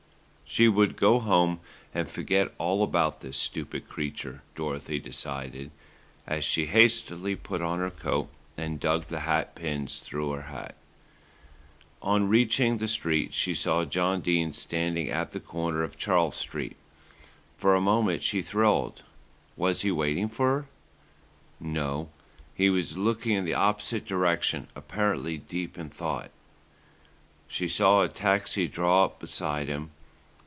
She would go home and forget all about the stupid creature, Dorothy decided, as she hastily put on her coat and dug the hat pins through her hat. On reaching the street she saw John Dene standing at the corner of Charles Street. For a moment she thrilled. Was he waiting for her? No, he was looking in the opposite direction, apparently deep in thought. She saw a taxi draw up beside him.